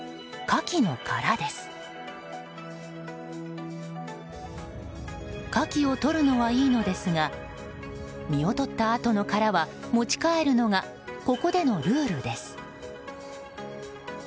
カキをとるのはいいのですが身をとったあとの殻は持ち帰るのがここでのルールです。